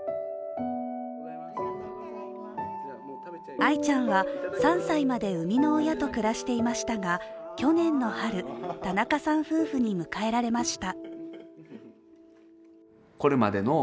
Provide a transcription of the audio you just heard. あいちゃんは３歳まで生みの親と暮らしていましたが去年の春、田中さん夫婦に迎えられました。